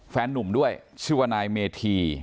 นุ่มด้วยชื่อว่านายเมธี